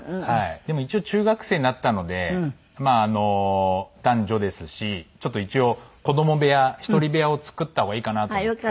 でも一応中学生になったのでまあ男女ですしちょっと一応子ども部屋１人部屋を作った方がいいかなと思って。